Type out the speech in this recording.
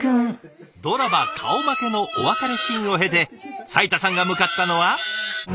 ドラマ顔負けのお別れシーンを経て斉田さんが向かったのは。